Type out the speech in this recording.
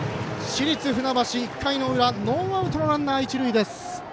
市立船橋、１回の裏ノーアウトのランナー、一塁。